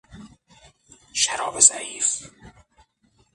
شراب ضعیف